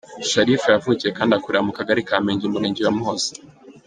Sharifa yavukiye kandi akurira mu Kagari ka Mpenge, Umurenge wa Muhoza,.